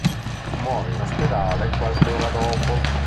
Muore in ospedale qualche ora dopo.